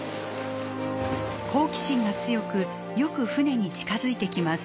好奇心が強くよく船に近づいてきます。